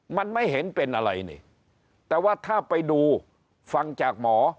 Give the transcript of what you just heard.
มันไม่เห็นเป็นอะไรนี่แต่ว่าถ้าไปดูฟังจากหมอ